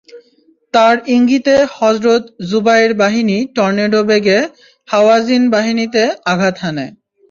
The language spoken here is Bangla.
তার ইঙ্গিতে হযরত যুবাইর বাহিনী টর্নেডো বেগে হাওয়াযিন বাহিনীতে আঘাত হানে।